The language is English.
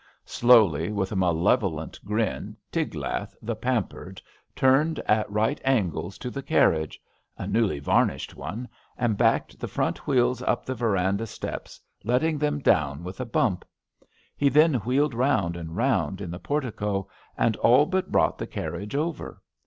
Slowly, with a malev olent grin, Tiglath, the pampered, turned at right angles to the carriage — a newly varnished one— and backed the front wheels up the verandah steps, letting them down with a bump. He then wheeled round and round in the portico, and all but brought the carriage over.